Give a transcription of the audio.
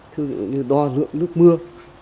thứ như đo lượng nước mưa